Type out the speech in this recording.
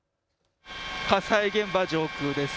火災現場上空です。